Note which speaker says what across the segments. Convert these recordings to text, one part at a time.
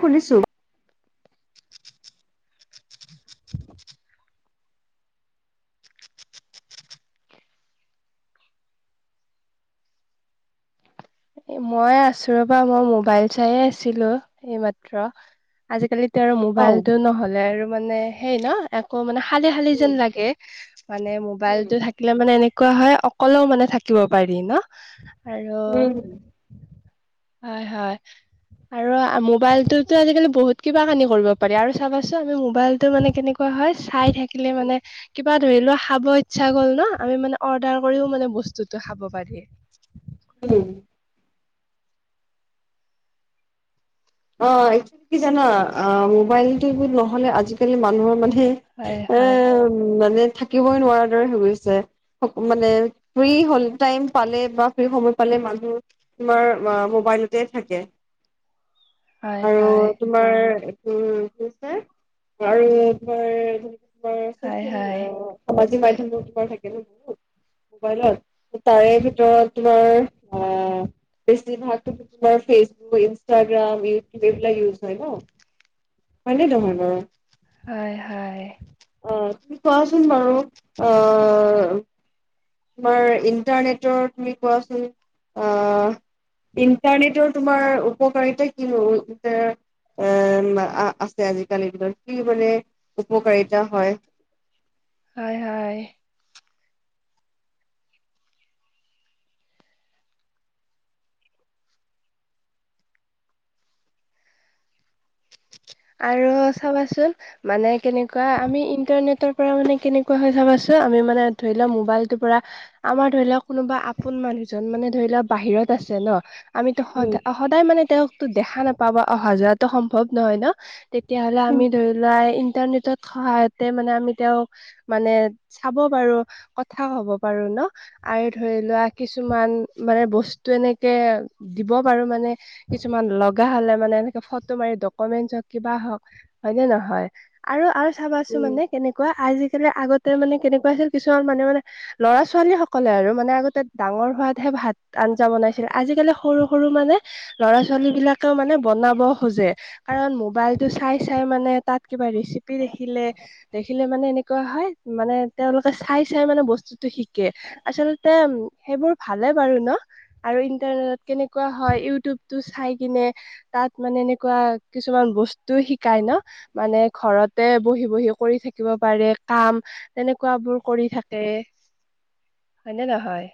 Speaker 1: শুনিছো।
Speaker 2: মই আছো ৰবা, মই মোবাইল চায়ে আছিলো এইমাত্ৰ। আজিকালিতো আৰু
Speaker 1: অ
Speaker 2: মোবাইলটো নহলে আৰু মানে সেই ন এ আকৌ মানে শালি শালি
Speaker 1: উম
Speaker 2: যেন লাগে, মানে মোবাইলটো থা কিলে মানে এনেকুৱা হয় অকলেও মানে থাকিব পাৰি ন? আৰু
Speaker 1: উম
Speaker 2: হয় হয়, আৰু মোবাইলটোতো আজিকালি বহুত কিবা কানি কৰিব পাৰি, আৰু চাবাচো আমি মোবাইলটো মানে কেনেকুৱা হয়, চাই থাকিলে মানে কিবা ধৰি লোৱা খাব ইচ্ছা গ'ল ন, আমি মানে অৰ্ডাৰ কৰিও মানে বস্তুটো খাব পাৰি।
Speaker 1: উম [unintelligible] অ একচুৱেলী কি জানা? আ মোবাইলটো নহলে আজিকালি মানুহৰ মানে
Speaker 2: হয় হয়।
Speaker 1: উম মানে থাকিবই নোৱাৰা দৰে হৈ গৈছে। মানে ফ্ৰী হল টাইম পালে বা ফ্ৰী সময় পালে মানুহ তোমাৰ আ মোবাইলতে থাকে।
Speaker 2: হয়
Speaker 1: আৰু
Speaker 2: হয়।
Speaker 1: তোমাৰ এইটো [inaudible] [unintelligible] তোমাৰ
Speaker 2: হয়
Speaker 1: চচিয়েল
Speaker 2: হয়
Speaker 1: সামাজিক মাধ্যমটো তোমাৰ থাকে ন ন [inaudible] মোবাইলত, তাৰে ভিতৰত তোমাৰ আহ বেছিভাগ টো তোমাৰ ফেচবুক, ইনষ্টাগ্ৰাম, ইউটিউব এইবিলাক ইউজ হয় ন। হয়নে নহয় বাৰু?
Speaker 2: হয় হয়।
Speaker 1: অ তুমি কোৱাচোন বাৰু অ তোমাৰ ইণ্টাৰনেটৰ তুমি কোৱাচোন আ ইণ্টাৰনেটৰ তোমাৰ উপকাৰিতা কিনো? [inaudible] এ আ আছে আজিকালি দিনত, কি মানে উপকাৰিতা হয়?
Speaker 2: হয় হয়। আৰু চাবাচোন মানে কেনেকুৱা আমি ইণ্টাৰনেটৰ পৰা মানে কেনেকুৱা হৈ চাবাচো, আমি মানে ধৰি লোৱা মোবাইলটোৰ পৰা আমাৰ ধৰি লোৱা কোনোবা আপোন মানুহজন মানে ধৰি লোৱা বাহিৰত আছে ন, আমিতো সদ
Speaker 1: উম
Speaker 2: সদায় মানে, তেওঁকটো দেখা নাপাওঁ বা অহা-যোৱাটো সম্ভৱ নহয় ন। তেতিয়া হ'লে আমি ধৰি লোৱা, ইণ্টাৰনেটত সহায়তে মানে আমি তেওঁ মানে চাব পাৰোঁ, কথা হ'ব পাৰোঁ ন। আৰু ধৰি লোৱা, কিছুমান মানে বস্তু এনেকে দিব পাৰোঁ মানে। কিছুমান লগা হ'লে মানে, এনেকে ফটো মাৰি ডক কমেণ্টছ হওঁক, কিবা হওঁক হয়নে নহয়। আৰু আৰু চাবাচোন
Speaker 1: উম
Speaker 2: মানে কেনেকুৱা, আজিকালি আগতে মানে কেনেকুৱা আছিল, কিছুমান মানুহে মানে ল'ৰা-ছোৱালী সকলে আৰু, মানে আগতে ডাঙৰ হোৱাতহে ভাত-আঞ্জা বনাইছিল। আজিকালি সৰু-সৰু মানে ল'ৰা-ছোৱালী বিলাকেও মানে বনাব খোঁজে। কাৰণ, মোবাইলটো চাই, চাই মানে তাত কিবা ৰেচিপি দেখিলে দেখিলে মানে এনেকুৱা হয়, মানে তেওঁলোকে চাই, চাই মানে বস্তুটো শিকে। আচলতে সেইবোৰ ভালে বাৰু ন। আৰু ইণ্টাৰনেটত কেনেকুৱা হয়, ইউটিউবটো চাইকিনে তাত মানে এনেকুৱা কিছুমান বস্তু শিকাই ন। মানে ঘৰতে বহি, বহি কৰি থাকিব পাৰে কাম। তেনেকুৱা বোৰ কৰি থাকে, হয়নে নহয়।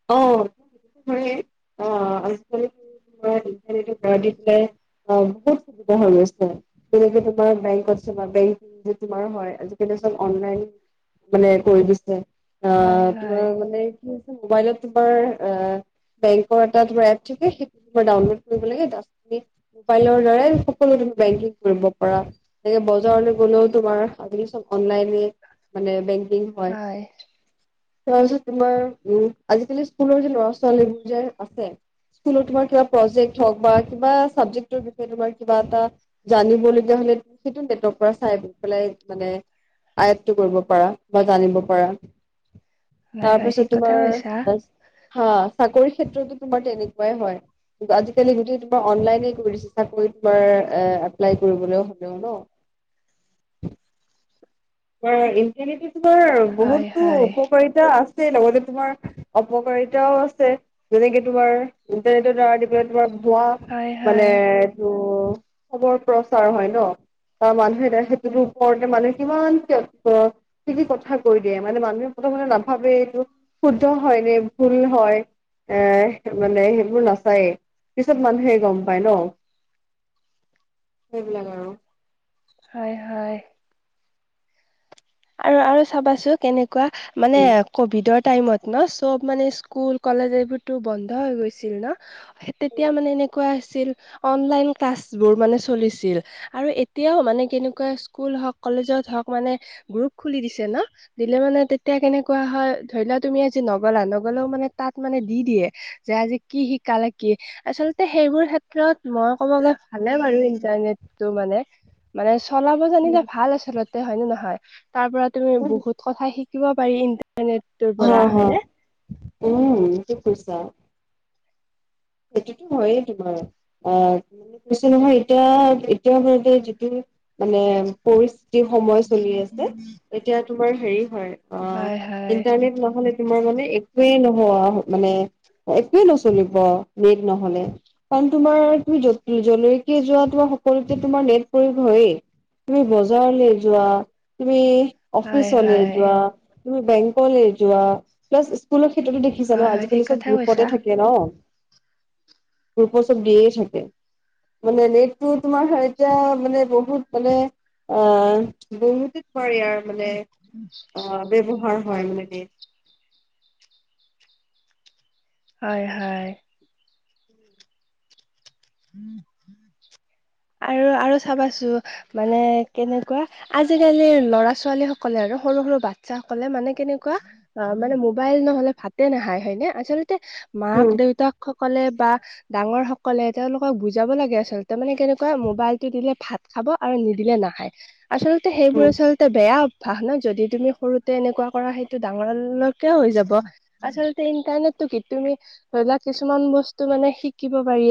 Speaker 1: [unintelligible] [unintelligible] [unintelligible] বেংকত যাবা, বেংক [unintelligible] তোমৰ হয় আজিকালি চব অনলাইন মানে কৰি দিছে,
Speaker 2: হয়
Speaker 1: আহ তোমাৰ
Speaker 2: হয়
Speaker 1: মানে কি [unintelligible] মোবাইলত তোমাৰ এ বেংকৰ এটা ধৰা এপ থাকে, সেইটো তোমাৰ ডাউনলোড কৰিব লাগে। তাৰপিছত মোবাইলৰ দ্বাৰ সকলোতে বেংকিং কৰিব পাৰা। এ বজাৰলৈ গ'লেও, তোমাৰ আজিকালি চব অনলাইনে মানে বেংকিং।
Speaker 2: হয়।
Speaker 1: তাৰপিছত তোমাৰ উম, আজিকালি স্কুলৰ যে, ল'ৰা-ছোৱালীবোৰ যে আছে। স্কুলত তোমাৰ কিবা প্ৰজেক্ট হওঁক, বা কিবা চাবজেক্টৰ বিষয়ে তোমাৰ কিবা এটা জানিবলগীয়া হ'লে, সেইটো নেটৰ পৰা চাই পেলাই মানে আয়ত্ত কৰিব পাৰা, বা জানিব পাৰা।
Speaker 2: হয়, হয়, ঠিক
Speaker 1: তাৰপিছত
Speaker 2: ক
Speaker 1: হা, চাকৰি ক্ষেত্ৰতো তোমাৰ তেনেকুৱাই হয়। আজিকালি গোটেই, তোমাৰ অনলাইনে কৰিচে চাকৰি তোমাৰ এ এপ্লাই কৰিবলৈও হ'লেও ন। [unintelligible] তোমাৰ
Speaker 2: হয়
Speaker 1: বহুতো
Speaker 2: হয়
Speaker 1: উপকাৰিতা আছে, লগতে তোমাৰ অপকাৰিতাও আছে। যেনেকে তোমাৰ ইণ্টাৰনেটৰ দ্বাৰা আদি কৰি তোমাৰ ভুৱা
Speaker 2: হয়
Speaker 1: মানে
Speaker 2: হয়
Speaker 1: এইটো খৰ প্ৰচাৰ হয় ন, ত মানুহে সেইটো ওপৰতে মানুহে কিমান ব্যস্ত। কিবা-কিবি কথা কৈ দিয়ে। মানে মানুহে প্ৰথমতে নাভাবে এইটো শুদ্ধ হয় নে ভুল হয়। এ মানে সেইবোৰ নাচায়েই, পিছত মানুহে গম পায় ন। সেইবিলাক আৰু।
Speaker 2: হয়, হয়। আৰু, আৰু চাবাচোন কেনেকুৱা মানে কভিডৰ টাইমত ন, চব মানে স্কুল, কলেজ এইবোৰতো বন্ধ হৈ গৈছিল ন। তেতিয়া মানে এনেকুৱা আছিল, অনলাইন ক্লাছবোৰ মানে চলিছিল। আৰু এতিয়াও মানে, কেনেকুৱা স্কুল হওঁক, কলেজত হওঁক মানে গ্ৰুপ খুলি দিছে ন। দিলে মানে তেতিয়া কেনেকুৱা হয়, ধৰি লোৱা তুমি আজি নগ'লা নগ'লেও মানে তাত মানে দি দিয়ে। পিছে আজি কি শিকালে কি? আচলতে সেইবোৰ ক্ষেত্ৰত মই ক'ব গ'লে ভালে বাৰু ইন্টাৰনেটটো মানে। মানে চলাব জানিলে
Speaker 1: উম
Speaker 2: ভাল আচলতে হয়নে নহয়? তাৰ পৰা তুমি বহুত কথা শিকিব পাৰি কিন্তু। ইন্টাৰনেটটোত।
Speaker 1: অহ, হ। উম, ঠিক কৈছা। সেইটোতো হয়ে তোমাৰ অহ, কৈছো নহয় এতিয়া এতিয়া আচলতে যিটো মানে পৰিস্থিতি সময় চলি আছে। এতিয়া তোমাৰ হেৰি হয় অহ,
Speaker 2: হয় হয়
Speaker 1: ইণ্টাৰনেট নহ'লে তোমাৰ মানে একোৱে নোহোৱা মানে, একোৱে নচলিব নেট নহ'লে। কাৰণ তোমাৰ তুমি যতে-যলৈকে যোৱা তোমাৰ সকলোতে তোমাৰ নেট প্ৰয়োগ হৈয়ে। তুমি বজাৰলে যোৱা, তুমি
Speaker 2: হয়
Speaker 1: অফিচলৈ
Speaker 2: হয়
Speaker 1: যোৱা, তুমি বেংকলৈ যোৱা, ক্লাছ স্কুলৰ ক্ষেত্ৰতো দেখি দেখি যাবা
Speaker 2: হয় হয় ঠিক
Speaker 1: আজিকালি চব
Speaker 2: কথা কৈছা
Speaker 1: গ্ৰুপতে থাকে ন'। গ্ৰুপত চব দিয়ে থাকে। মানে নেটটো তোমাৰ এতিয়া মানে বহুত মানে অহ, বহুতে ধৰ ইয়াৰ মানে অহ, ব্যৱহাৰ হয় মানে।
Speaker 2: হয়, হয়।
Speaker 1: [unintelligible]
Speaker 2: আৰু-আৰু চাবাচো মানে কেনেকুৱা আজিকালিৰ ল'ৰা-ছোৱালীসকলে আৰু সৰু-সৰু বাচ্ছাসকলে মানে কেনেকুৱা অহ, মানে মোবাইল নহ'লে ভাতে হয়নে? আচলতে
Speaker 1: উম,
Speaker 2: মাক-দেউতাকসকলে বা ডাঙৰসকলে তেওঁলোকক বুজাব লাগে আচলতে মানে কেনেকুৱা মোবাইলটো দিলে ভাত খাব আৰু নিদিলে নাখায়। আচলতে সেইবোৰ
Speaker 1: উম,
Speaker 2: আচলতে বেয়া অভ্যাস ন' যদি তুমি সৰুতে এনেকুৱা কৰা সেইটো ডাঙৰলৈ তে হৈ যাব। আচলতে ইন্টাৰনেটটো কি, তুমি ধৰিলোৱা কিছুমান বস্তু মানে শিকিব পাৰি।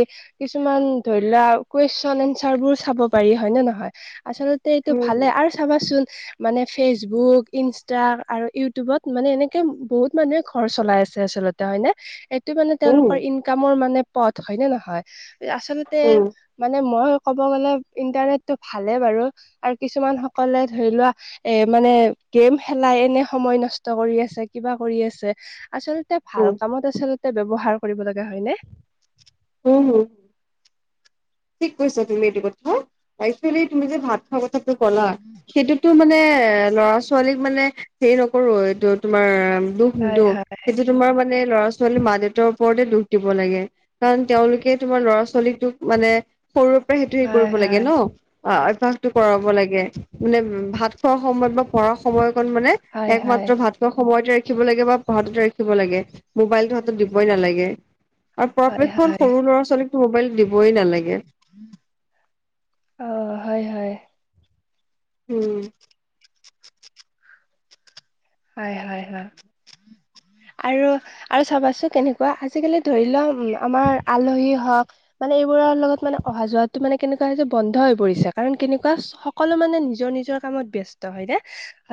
Speaker 2: কিছুমান ধৰিলোৱা কুৱেশ্যন এনচাৰবোৰ চাব পাৰি হয়নে নহয়। আচলতে তে এইটো ভালে
Speaker 1: উম,
Speaker 2: আৰু চাবাচোন মানে ফেচবুক, ইনষ্টা আৰু ইউটিউবত মানে এনেকে বহুত মানুহে ঘৰ চলাই আছে আচলতে। হয়নে, এইটো মানে
Speaker 1: উম,
Speaker 2: তেওঁলোকৰ ইনকামৰ মানে পথ হয়নে নহয়? আচলতে
Speaker 1: উম,
Speaker 2: মানে মই ক'ব গ'লে ইণ্টাৰনেটটো ভালে বাৰু আৰু কিছুমান সকলে ধৰিলোৱা এ মানে গেম খেলা এনেই সময় নষ্ট কৰি আছে, কিবা কৰি আছে আচলতে ভাল
Speaker 1: উম,
Speaker 2: কামত আচলতে ব্যৱহাৰ কৰিব লাগে হয়নে?
Speaker 1: উম', হম'। ঠিক কৈছা তুমি এইটো কথা। একচুৱেলি তুমি যে ভাত সঁচা কথা কথাটো ক'লা, সেইটোতো মানে ল'ৰা-ছো ছোৱালীক মানে হেৰি নকৰোঁ, এইটো তোমাৰ দুখ
Speaker 2: হয়
Speaker 1: নিদিওঁ
Speaker 2: হয়
Speaker 1: সেইটো তোমাৰ মানে ল'ৰা-ছোৱালী মা-দেউতাৰ ওপৰতে দুখ দিব লাগে। কাৰণ তেওঁলোকে তোমাৰ ল'ৰা-ছোৱালীটোক মানে সৰুৰে পৰা সেইটো হেৰি
Speaker 2: হয়
Speaker 1: কৰিব লাগে
Speaker 2: হয়
Speaker 1: ন'। অহ, অভ্যাসটো কৰাব লাগে মানে ভাত খোৱাৰ সময়ত বা পঢ়াৰৰ সময়কণ মানে একমাত্ৰ ভাত ভাত খোৱা সময়তে ৰাখিব লাগে বা পঢ়াটোতে ৰাখিব লাগে, মোবাইলটো হাতত দিবই নালাগে। আৰু পৰাপক্ষত সৰু ল'ৰা-ছোৱালীকটো মোবাইল দিবই নালাগে।
Speaker 2: অহ', হয়, হয়।
Speaker 1: উম
Speaker 2: হয় হয় হয় আৰু আৰু চাবাচোন কেনেকুৱা আজিকালি ধৰি লওক উম আমাৰ আলহী হওক মানে এইবোৰৰ লগত মানে অহা যোৱা মানে কেনেকুৱা হৈছে বন্ধ হৈ পৰিছে কাৰণ কেনেকুৱা সকলো মানে নিজৰ নিজৰ কামত ব্যস্ত হয় ন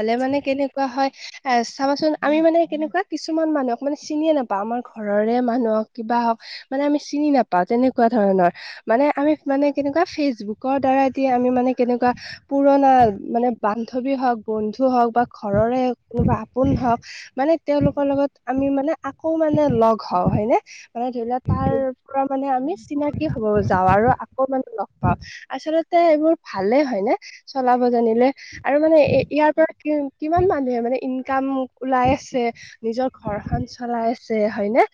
Speaker 2: হলে মানে কেনেকুৱা হয় এ চাবাচোন আমি মানে কেনেকুৱা কিছুমান মানুহক মানে চিনিয়ে নাপাওঁ আমাৰ ঘৰৰে মানুহক কিবা হওক মানে আমি চিনি নাপাওঁ তেনেকুৱা ধৰণৰ মানে আমি মানে কেনেকুৱা ফেচবুকৰ দ্বাৰাই দি আমি মানে কেনেকুৱা পুৰণা মানে বান্ধৱী হওক বন্ধু হওক বা ঘৰৰে কোনা আপোন হওক মানে তেওঁলোকৰ লগত আমি মানে আকৌ মানে লগ হওঁ হয়নে মানে ধৰি লোৱা তাৰ পৰা মানে আমি চিনাকি হ'ব যাওঁ আৰু আকৌ মানে লগ পাওঁ আচলতে এইবোৰ ভালে হয় ন চলাব জানিলে আৰু মানে এ ইয়াৰ পৰা কি কিমান মানুহে মানে ইনকাম ওলাই আছে নিজৰ ঘৰখন চলাই আছে হয়নে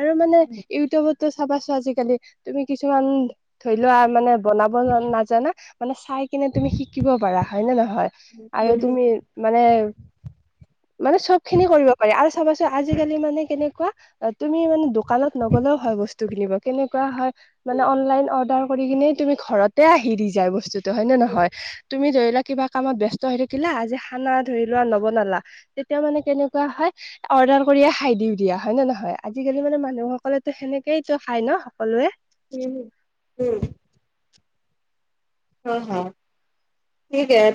Speaker 2: আৰু মানে ইউটিউবতো চাবাছো আজিকালি তুমি কিছুমান ধৰি লোৱা মানে বনাব নাজানা মানে চাই কিনে তুমি শিকিব পাৰা হয় নে নহয়
Speaker 1: উম
Speaker 2: আৰু তুমি মানে মানে চব খিনি কৰিব পাৰি আৰু চাবাচোন আজিকালি মানে কেনেকুৱা তুমি মানে দোকানত নগলেও হয় বস্তু কিনিব কেনেকুৱা হয় মানে অনলাইন অৰ্ডাৰ কৰি কিনে তুমি ঘৰতে আহি দি যায় বস্তুতটো হয় নে নহয় তুমি ধৰি লোৱা কিবা কামত ব্যস্ত হৈ থাকিলা আজি খানা ধৰি লোৱা নৱ নলা তেতিয়া মানে কেনেকুৱা হয় অৰ্ডাৰ কৰিয়ে খাই দিও দিয়া হয় নে নহয় আজিকালি মানে মানুহসকলে তো সেনেক তো খাই ন সকলোৱে
Speaker 1: উম হয় হয়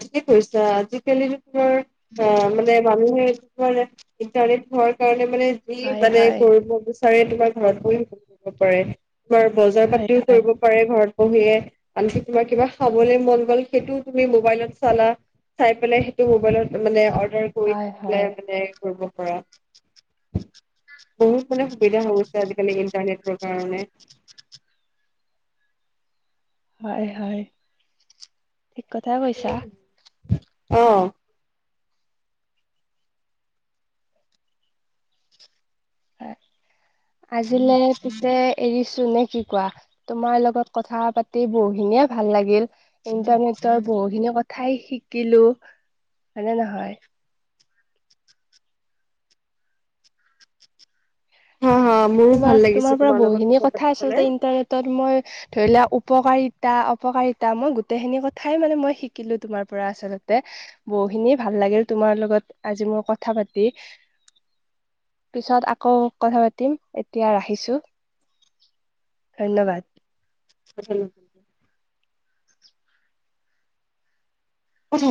Speaker 1: ঠিকে কৈছে আজিকালি তোমাৰ অ মানে মানুহেৰ ইণ্টাৰনেট হোৱাৰ কাৰণে মানে
Speaker 2: হয়
Speaker 1: মানে
Speaker 2: হয়
Speaker 1: কৰিব বিচাৰে তোমাৰ ঘৰত ব শ পাৰে তোমাৰ বজাৰ
Speaker 2: হয়
Speaker 1: পাতিও
Speaker 2: হয়
Speaker 1: কৰিব কৰে ঘৰত বহিয়েআনকি তোমাৰ কিবা খাবলৈ মন গ'ল সেইটো তুমি মবাইলত চালা চাই পেলাই সেইটো মবাইলত মানে অৰ্ডাৰ কৰি
Speaker 2: হয়
Speaker 1: দি পেলাই
Speaker 2: হয়
Speaker 1: মানে কৰিব পৰা বহুত মানে সুবিধা হৈছে আজিকালি ইণ্টাৰনেটৰ কাৰণে
Speaker 2: হয় হয় ঠিক কথাই কৈছা
Speaker 1: অ [inaudible]
Speaker 2: আজিলে পিছে এৰিছো নে কি কোৱা তোমাৰ লগত কথা পাতি বহুখিনিয়ে ভাল লাগিল ইন্টাৰনেটৰ বহুখিনি কথাই শিকিলো হয়নে নহয়
Speaker 1: হা হা মোৰো ভাল
Speaker 2: তোমাৰ তোমাৰ
Speaker 1: লাগিছে
Speaker 2: পৰা
Speaker 1: লগত
Speaker 2: বহুতখিনি কথা আচলতে
Speaker 1: পাতি
Speaker 2: ইন্টাৰনেটত মই ধৰি লোৱা উপকাৰিতা অপকাৰিতা মই গোটেইখিনি কথাই মানে মই শিকিলো তোমাৰ পৰা আচলতে বহুখিনি ভাল লাগিল তোমাৰ লগত আজি মোৰ কথা পাতি পিছত আকৌ কথা পাতিম এতিয়া ৰাখিছো ধন্যবাদ
Speaker 1: উম উম